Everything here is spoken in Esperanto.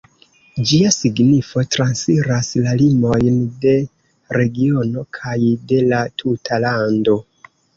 Ĝia signifo transiras la limojn de regiono kaj de la tuta lando.